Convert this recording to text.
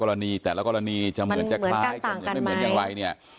เพราะว่าแต่ละกรณีจะเหมือนจะคล้ายกันไม่เหมือนจะไว้